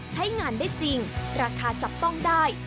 ใช้งานได้จริงราคาจับต้องได้